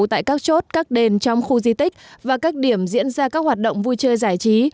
tại các chốt các đền trong khu di tích và các điểm diễn ra các hoạt động vui chơi giải trí